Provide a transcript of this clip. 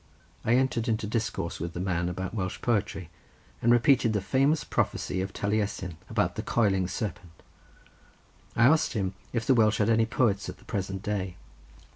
I entered into discourse with the man about Welsh poetry, and repeated the famous prophecy of Taliesin about the Coiling Serpent. I asked him if the Welsh had any poets at the present day.